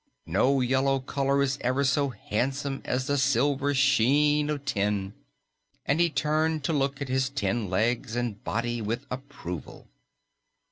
No yellow color is ever so handsome as the silver sheen of tin," and he turned to look at his tin legs and body with approval.